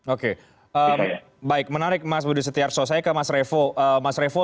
oke baik menarik mas budi setiarto saya ke mas revo